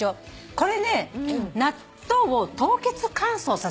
これね納豆を凍結乾燥させてる。